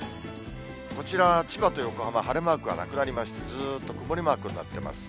こちらは千葉と横浜、晴れマークがなくなりまして、ずっと曇りマークになっています。